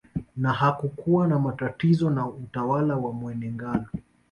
Na hakukuwa na matatizo na utawala wa Mwene Ngalu